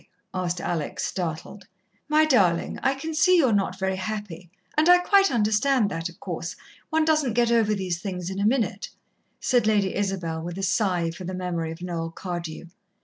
asked Alex, startled. "My darling, I can see you're not very happy, and I quite understand that, of course, one doesn't get over these things in a minute," said Lady Isabel, with a sigh for the memory of Noel Cardew.